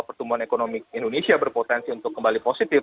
pertumbuhan ekonomi indonesia berpotensi untuk kembali positif